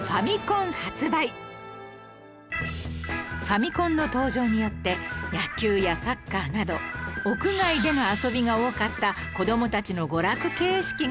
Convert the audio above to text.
ファミコンの登場によって野球やサッカーなど屋外での遊びが多かった子どもたちの娯楽形式が変化